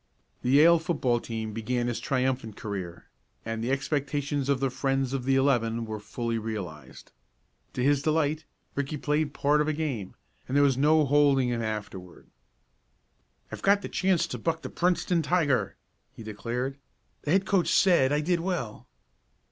The Yale football team began its triumphant career, and the expectations of the friends of the eleven were fully realized. To his delight Ricky played part of a game, and there was no holding him afterward. "I've got a chance to buck the Princeton tiger!" he declared. "The head coach said I did well!"